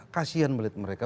kasian melihat mereka